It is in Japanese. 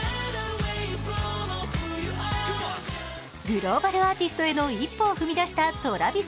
グローバルアーティストへの一歩を踏み出したＴｒａｖｉｓＪａｐａｎ。